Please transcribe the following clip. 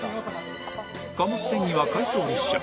貨物線には回送列車